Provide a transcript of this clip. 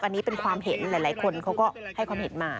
อันนี้เป็นความเห็นหลายคนเขาก็ให้ความเห็นมา